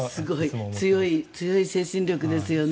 強い精神力ですよね。